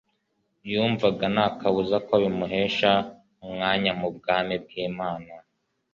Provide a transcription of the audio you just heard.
yumvaga nta kabuza ko bimuhesha umwanya mu bwami bw’Imana